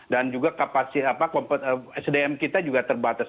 dan juga kapasitas sdm kita juga terbatas